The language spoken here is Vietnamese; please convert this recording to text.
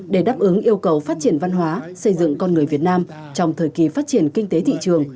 để đáp ứng yêu cầu phát triển văn hóa xây dựng con người việt nam trong thời kỳ phát triển kinh tế thị trường